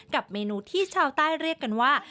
กับเมนูที่ชาวใต้เรียกกันว่า